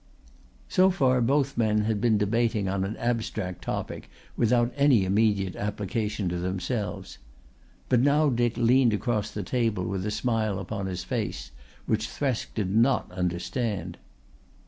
So far both men had been debating on an abstract topic without any immediate application to themselves. But now Dick leaned across the table with a smile upon his face which Thresk did not understand.